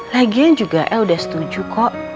lagian juga eh udah setuju kok